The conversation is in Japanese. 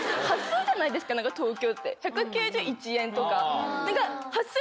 じゃないですか東京って１９１円とか。